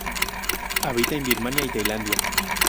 Habita en Birmania y Tailandia.